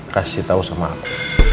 kasih tau sama aku